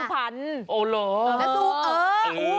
นัสสู่เออโอ้ย